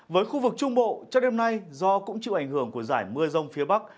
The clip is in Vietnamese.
với khu vực trung bộ cho đêm nay do cũng chịu ảnh hưởng của giải mưa rông phía bắc